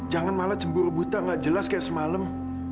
jangan malah cemburu buta gak jelas kayak semalam